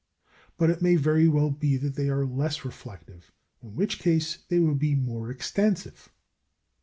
But it may very well be that they are less reflective, in which case they would be more extensive.